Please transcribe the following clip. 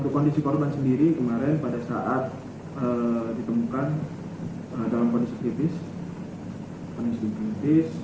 untuk kondisi korban sendiri kemarin pada saat ditemukan dalam kondisi kritis kondisi kritis